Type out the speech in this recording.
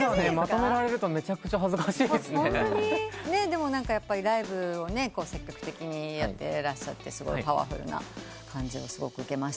でもライブを積極的にやってらっしゃってすごいパワフルな感じをすごく受けました。